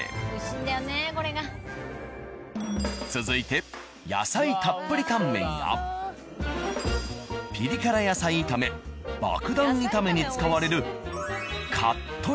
続いて野菜たっぷりタンメンやピリ辛野菜炒めバクダン炒めに使われる。